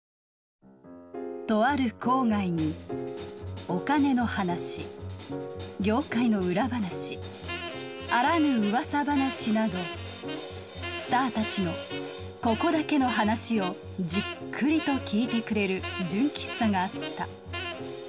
とある郊外にお金の話業界の裏話あらぬ噂話などスターたちのここだけの話をじっくりと聞いてくれる純喫茶があった。